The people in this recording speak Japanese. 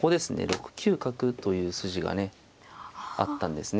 ６九角という筋がねあったんですね。